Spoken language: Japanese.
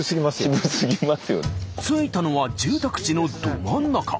着いたのは住宅地のど真ん中。